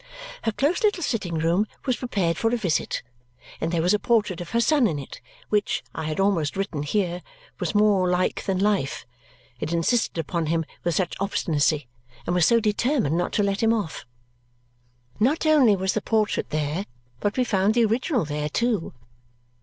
Her close little sitting room was prepared for a visit, and there was a portrait of her son in it which, I had almost written here, was more like than life: it insisted upon him with such obstinacy, and was so determined not to let him off. Not only was the portrait there, but we found the original there too.